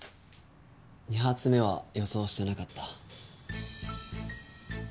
２発目は予想してなかった。